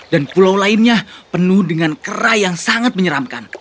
dan pulau lainnya penuh dengan kerai yang sangat menyeramkan